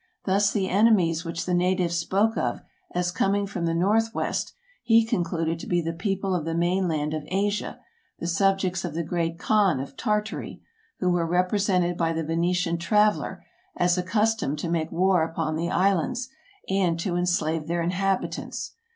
Thus the enemies which the natives spoke of as coming from the northwest, he concluded to be the people of the main land of Asia, the subjects of the great Khan of Tartary, who were represented by the Venetian traveler as accustomed to make war upon the islands, and to enslave their inhabitants.